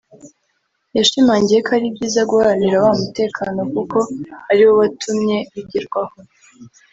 yashimangiye ko ari byiza guharanira wa mutekano kuko ari wo watumye bigerwaho